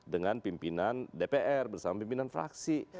dengan pimpinan dpr bersama pimpinan fraksi